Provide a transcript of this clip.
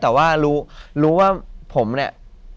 แต่ว่ารู้ว่าผมเนี่ย